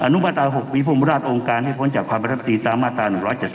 อนุมัตราหกวีฟุมบุราชองการให้พ้นจากความประทับตีตามมาตรา๑๗๑